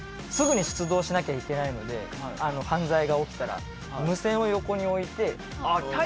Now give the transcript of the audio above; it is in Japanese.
すぐに出動しなきゃいけないので犯罪が起きたら無線を横に置いてあっ